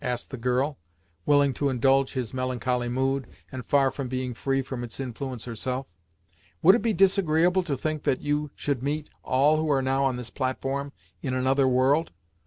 asked the girl, willing to indulge his melancholy mood, and far from being free from its influence herself. "Would it be disagreeable to think that you should meet all who are now on this platform in another world?